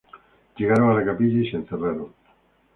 Llegaron a la capilla y se encerraron.